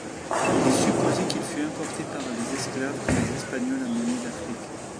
Il est supposé qu'il fut importé par les esclaves que les Espagnols amenaient d'Afrique.